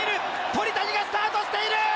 鳥谷がスタートしている！